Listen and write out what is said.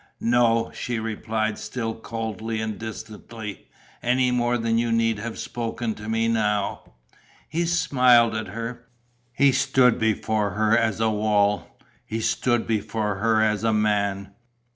"No," she replied, still coldly and distantly. "Any more than you need have spoken to me now." He smiled at her. He stood before her as a wall. He stood before her as a man.